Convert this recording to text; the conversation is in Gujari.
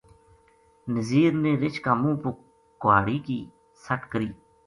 نزیر نے رچھ کا منہ پو گُہاڑی کی سَٹ کری